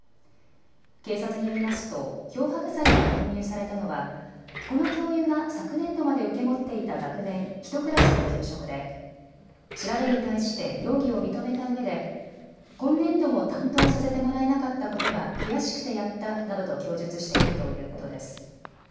警察によりますと漂白剤が混入されたのはこの教諭が昨年度まで受け持っていた学年、１クラスの給食で調べに対して容疑を認めたうえで今年度も担当させてもらえなかったことが悔しくてやったなどと供述しているということです。